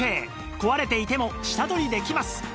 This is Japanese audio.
壊れていても下取りできます